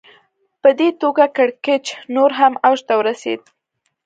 په دې توګه کړکېچ نور هم اوج ته ورسېد